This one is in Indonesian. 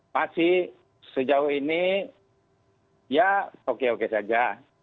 masih sejauh ini ya oke oke saja